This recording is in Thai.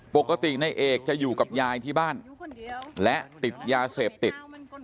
ปกติในเอกจะอยู่กับยายที่บ้านและติดยาเสพติด